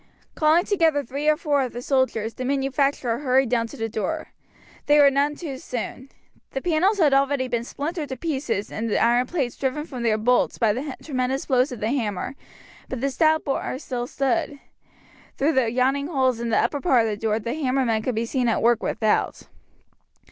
Calling together three or four of the soldiers the manufacturer hurried down to the door. They were none too soon. The panels had already been splintered to pieces and the iron plates driven from their bolts by the tremendous blows of the hammer, but the stout bar still stood. Through the yawning holes in the upper part of the door the hammermen could be seen at work without.